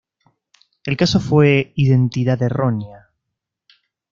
El caso fue "identidad errónea".